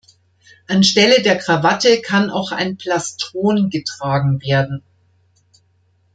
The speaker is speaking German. Anstelle der Krawatte kann auch ein Plastron getragen werden.